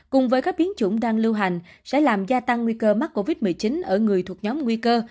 cùng với các biến chủng đang lưu hành sẽ làm gia tăng nguy cơ mắc covid một mươi chín ở người thuộc nhóm nguy cơ